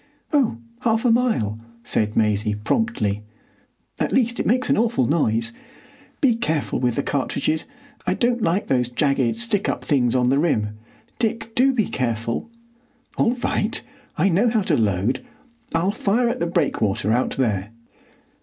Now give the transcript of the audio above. "Oh, half a mile," said Maisie, promptly. "At least it makes an awful noise. Be careful with the cartridges; I don't like those jagged stick up things on the rim. Dick, do be careful." "All right. I know how to load. I'll fire at the breakwater out there."